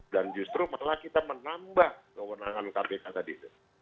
dan justru malah kita menambah kewenangan kpk tadi